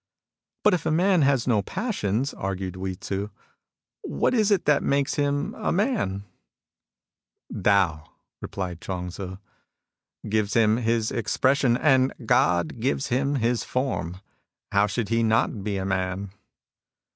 " But if a man has no passions," argued Hui Tzu, " what is it that makes him a man ?" "Tao," replied Chuang Tzu, "gives him his expression, and God gives him his form. How should he not be a man